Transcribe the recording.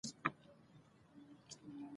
ازادي راډیو د هنر د اغیزو په اړه مقالو لیکلي.